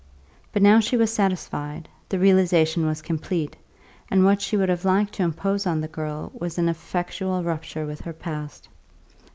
But now she was satisfied, the realisation was complete, and what she would have liked to impose on the girl was an effectual rupture with her past.